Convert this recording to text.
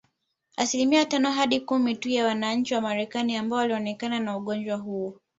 Asilimia tano hadi kumi tu ya wananchi wa Marekani ambao walionekana na ugonjwa huo